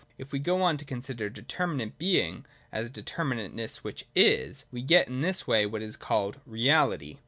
^ we go on to consider determinate Being as a determinateness which is, we get in this way what is called Reality.